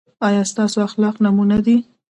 ایا ستاسو اخلاق نمونه دي؟